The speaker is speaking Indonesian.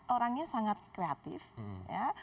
orangnya sangat kreatif ya